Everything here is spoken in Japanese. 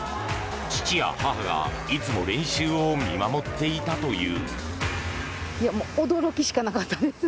父や母がいつも練習を見守っていたという。